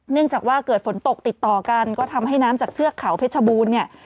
เนื่องจากว่าเกิดฝนตกติดต่อกันก็ทำให้น้ำจากเทือกเขาเพชรบูรณ์เนี่ย